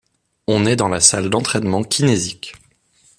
On est dans la salle d'entraînement kinésique.